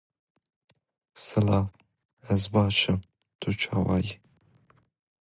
Danielle gives in but Andrew drives away in his car.